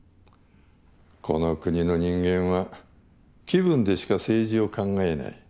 この国の人間は気分でしか政治を考えない。